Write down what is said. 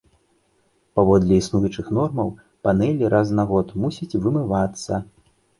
Паводле існуючых нормаў, панэлі раз на год мусяць вымывацца.